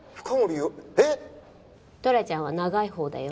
トラちゃんは長いほうだよ。